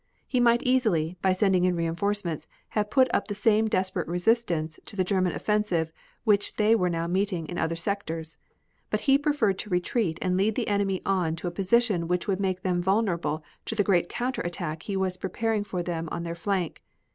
He might easily, by sending in reinforcements, have put up the same desperate resistance to the German offensive which they were now meeting in other sectors. But he preferred to retreat and lead the enemy on to a position which would make them vulnerable to the great counter attack he was preparing for them on their flank.